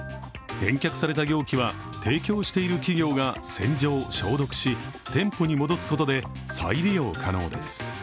返却された容器は提供している企業が洗浄・消毒し店舗に戻すことで再利用可能です。